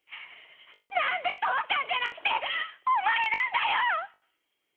なんで父さんじゃなくてお前なんだよ！